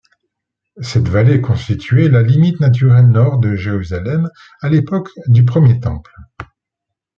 Cette vallée constituait la limite naturelle nord de Jérusalem à l'époque du Premier Temple.